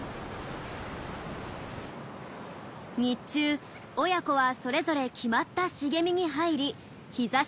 日中親子はそれぞれ決まった茂みに入り日ざしを避けるんです。